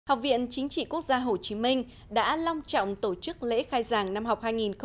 học viện chính trị quốc gia hồ chí minh đã long trọng tổ chức lễ khai giảng năm học hai nghìn một mươi sáu hai nghìn một mươi bảy